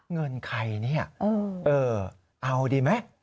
เงินใครเนี่ยเออเอาดีไหม